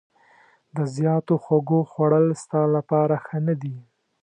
د زیاتو خوږو خوړل ستا لپاره ښه نه دي.